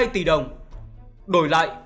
hai tỷ đồng đổi lại